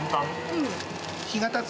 うん。